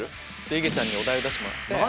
いげちゃんお題出してもらって。